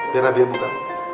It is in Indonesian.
biar abi yang buka